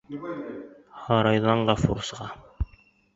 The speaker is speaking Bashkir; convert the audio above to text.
Һарайҙан Ғәфүр сыға.